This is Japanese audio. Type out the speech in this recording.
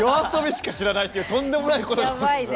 ＹＯＡＳＯＢＩしか知らないってとんでもないことが。